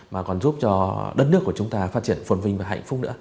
mà còn giúp cho đất nước của chúng ta phát triển phồn vinh và hạnh phúc nữa